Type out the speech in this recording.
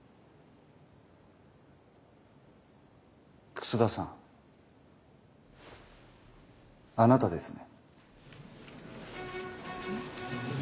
楠田さんあなたですね？